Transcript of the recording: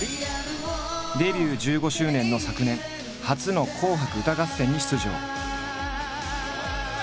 デビュー１５周年の昨年初の「紅白歌合戦」に出場。